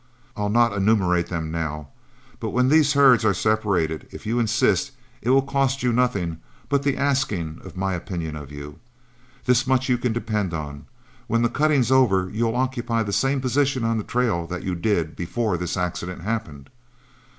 I'll not enumerate them now, but when these herds are separated, if you insist, it will cost you nothing but the asking for my opinion of you. This much you can depend on: when the cutting's over, you'll occupy the same position on the trail that you did before this accident happened.